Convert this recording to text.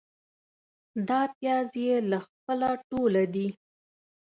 دا پیاز يې له خپله توله دي.